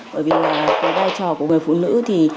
bởi vì là cái vai trò của người phụ nữ thì